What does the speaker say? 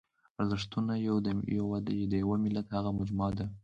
ارزښتونه د یوه ملت هغه مجموعه ده.